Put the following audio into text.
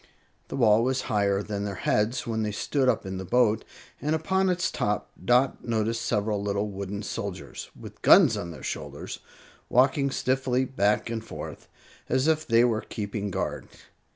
The wall was higher than their heads when they stood up in the boat, and upon its top Dot noticed several little wooden soldiers, with guns on their shoulders, walking stiffly back and forth, as if they were keeping guard.